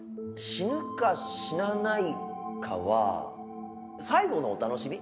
死ぬか死なないかは最後のお楽しみ？